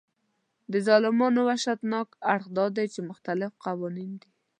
د ظلمونو وحشتناک اړخ دا دی چې مختلف قوانین دي.